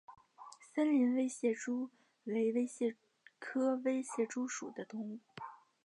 森林微蟹蛛为蟹蛛科微蟹蛛属的动物。